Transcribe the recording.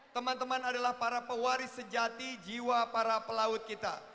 teman teman adalah para pewaris sejati jiwa para pelaut kita